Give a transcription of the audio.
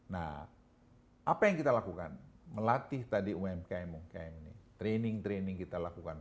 nah apa yang kita lakukan melatih tadi umkm mungkin training training kita lakukan